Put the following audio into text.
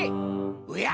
おや！